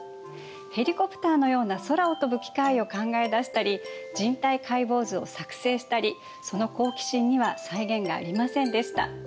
ヘリコプターのような空を飛ぶ機械を考え出したり人体解剖図を作成したりその好奇心には際限がありませんでした。